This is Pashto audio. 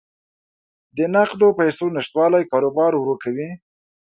د نقدو پیسو نشتوالی کاروبار ورو کوي.